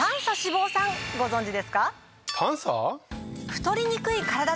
ご存じですか？